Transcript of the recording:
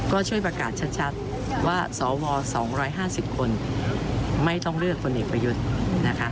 ก็ช่วยประกาศชัดว่าสว๒๕๐คนไม่ต้องเลือกคนเอกประยุทธ์นะคะ